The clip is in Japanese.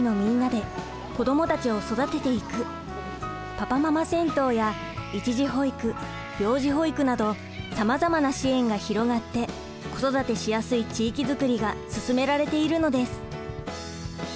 パパママ銭湯や一時保育病児保育などさまざまな支援が広がって子育てしやすい地域づくりが進められているのです。